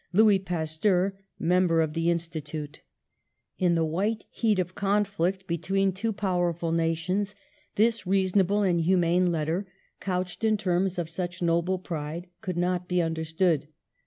"Louis Pasteur, ''Member of the Institute" THE SPIRIT OF PATRIOTISM 105 In the white heat of conflict between two powerful nations this reasonable and humane letter, couched in terms of such noble pride, could not be understood.